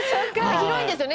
広いんですよね